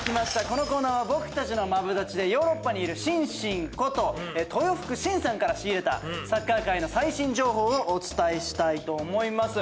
このコーナーは僕たちのマブダチでヨーロッパにいる「しんしん」こと豊福晋さんから仕入れたサッカー界の最新情報をお伝えしたいと思います。